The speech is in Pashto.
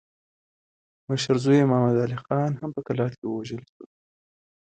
مشر زوی محمد علي خان هم په قلات کې ووژل شو.